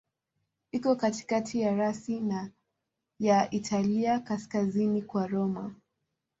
Iko katikati ya rasi ya Italia, kaskazini kwa Roma.